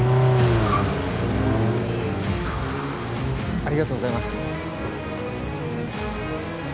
・ありがとうございます。